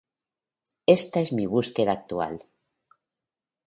Ésta es mi búsqueda actual.